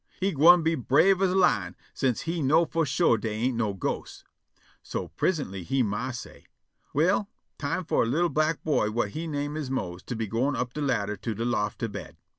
He gwine be brave as a lion, sence he know' fo' sure dey ain' no ghosts. So prisintly he ma say': "Well, time fo' a li'l' black boy whut he name is Mose to be gwine up de ladder to de loft to bed."